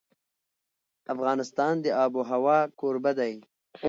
افغانستان د آب وهوا کوربه دی.